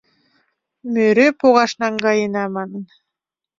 Мӧрӧ погаш наҥгаена манын